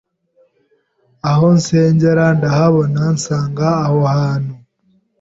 aho nsengera ndahabona nsanga aho hantu